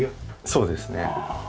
そうですね。